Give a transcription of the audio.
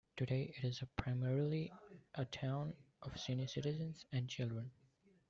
Today it is primarily a town of senior citizens and children.